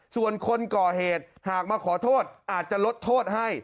ส่วนคนก่อเหตุหากมาขอโทษอาจจะลดโทษให้